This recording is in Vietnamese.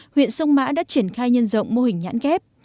huyện sông mã đã triển khai nhân rộng mô hình nhãn ghép